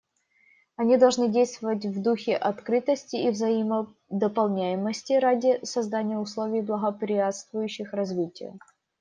Они должны действовать в духе открытости и взаимодополняемости ради создания условий, благоприятствующих развитию.